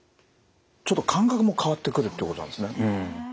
ちょっと感覚も変わってくるってことなんですね。